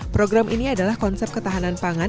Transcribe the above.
program ini adalah konsep ketahanan pangan